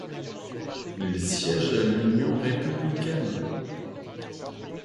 Il siège à l'Union républicaine.